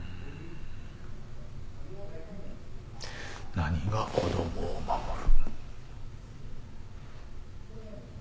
何が子どもを守る。